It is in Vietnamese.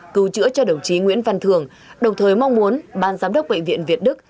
cứu chữa cho đồng chí nguyễn văn thường đồng thời mong muốn ban giám đốc bệnh viện việt đức